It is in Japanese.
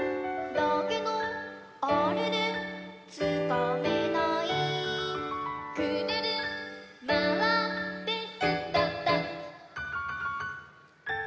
「だけどあれれ？つかめない」「くるるまわってすっとんとん」